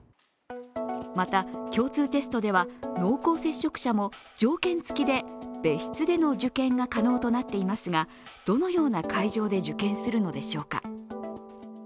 また、共通テストでは濃厚接触者も条件付きで別室での受験が可能となっていますが、どのような会場で受験するのでしょうか。